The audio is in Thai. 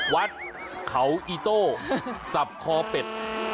วัดเขาอีโต้สับคอเป็ด